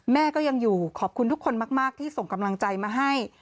แม่ก็ยังอยู่ขอบคุณทุกคนมากที่ส่งกำลังใจมาให้